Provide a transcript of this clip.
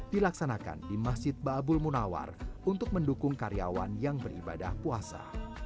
dilaksanakan di masjid ba'abul munawar untuk mendukung karyawan yang beribadah puasa